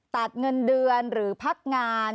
ตัดเงินเดือนหรือพักงาน